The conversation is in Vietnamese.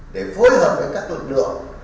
để phối hợp với các luật lượng